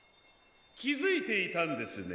きづいていたんですね。